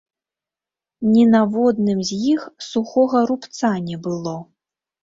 Ні на водным з іх сухога рубца не было.